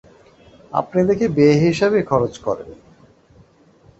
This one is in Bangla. আপনি দেখি বেহিসাবি খরচ করেন!